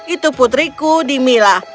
itu putriku dimila